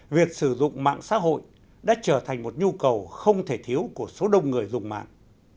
việc sử dụng mạng xã hội đã trở thành một nhu cầu không thể thiếu của số đông người dùng mạng